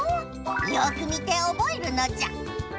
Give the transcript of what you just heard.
よく見ておぼえるのじゃ。